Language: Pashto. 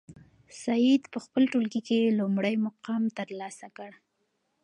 سعید په خپل ټولګي کې لومړی مقام ترلاسه کړ.